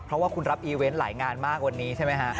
เพราะว่าคุณรับอีเวนต์หลายงานมากวันนี้ใช่ไหมฮะ